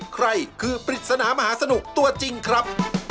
ใครคือปริศนามหาสนุกตัวจริงครับ